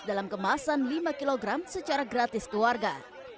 dalam kemasan lima kilogram secara gratis ke warga